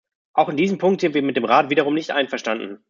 Auch in diesem Punkt sind wir mit dem Rat wiederum nicht einverstanden.